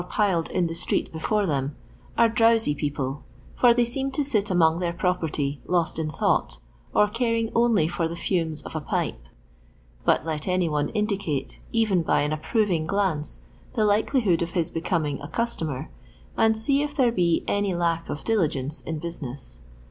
87 inled in the street before them, are drowsy people, for they aeem to tit among |their property, lost in thought, or caring only for the fames of a pipe. But let any one indicate, even by an ap proTing ghraoe, the likelihood of his becoming a customer, and see if there be any lack of diligence in business.